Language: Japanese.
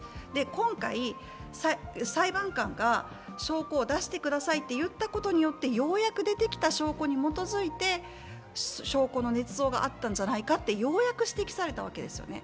今回、裁判官が証拠を出してくださいと言ったことによってようやく出てきた証拠に基づいて、証拠のねつ造があったんじゃないかと、ようやく指摘されたわけですよね。